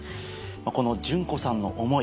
この順子さんの思い